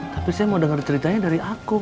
tapi saya mau dengar ceritanya dari aku